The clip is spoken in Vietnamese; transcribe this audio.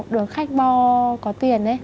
đường khách bo có tiền ấy